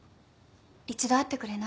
一度会ってくれない？